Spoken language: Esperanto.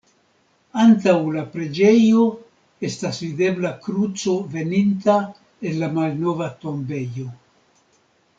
Antaŭ la preĝejo estas videbla kruco veninta el la malnova tombejo.